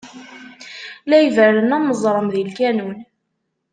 La iberren am uẓṛem di lkanun.